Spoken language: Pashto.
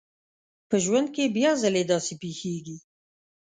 په ژوند کې بيا ځلې داسې پېښېږي.